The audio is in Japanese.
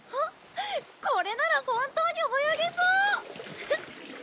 これなら本当に泳げそう！